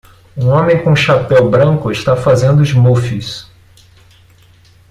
Um homem com um chapéu branco está fazendo smoothies.